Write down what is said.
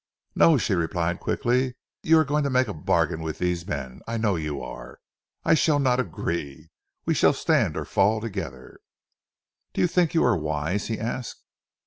"No!" she replied quickly. "You are going to make a bargain with those men. I know you are, and I shall not agree. We stand or fall together." "Do you think you are wise?" he asked.